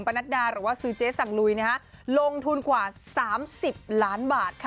นัดดาหรือว่าซื้อเจ๊สั่งลุยลงทุนกว่า๓๐ล้านบาทค่ะ